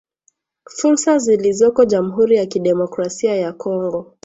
fursa zilizoko jamuhuri ya kidemokrasia ya Kongo